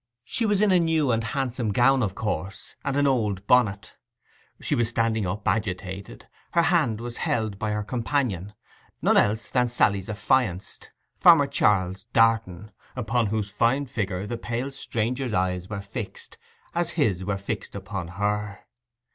She was in a new and handsome gown, of course, and an old bonnet. She was standing up, agitated; her hand was held by her companion—none else than Sally's affianced, Farmer Charles Darton, upon whose fine figure the pale stranger's eyes were fixed, as his were fixed upon her.